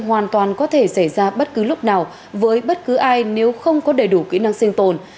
hoàn toàn có thể xảy ra bất cứ lúc nào với bất cứ ai nếu không có đầy đủ kỹ năng sinh tồn